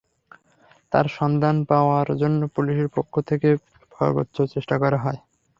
তাঁর সন্ধান পাওয়ার জন্য পুলিশের পক্ষ থেকে সর্বোচ্চ চেষ্টা করা হয়।